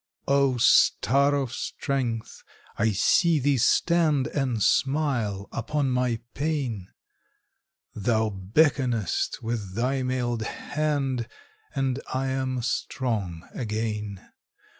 O star of strength! I see thee stand And smile upon my pain; Thou beckonest with thy mailed hand, And I am strong again.